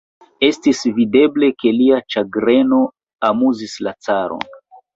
Estis videble, ke lia ĉagreno amuzis la caron.